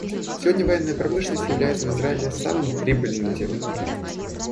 Сегодня военная промышленность является в Израиле самым прибыльным делом.